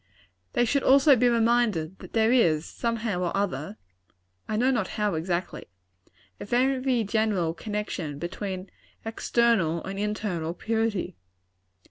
They should also be reminded that there is, somehow or other, (I know not how, exactly,) a very general connection between external and internal purity.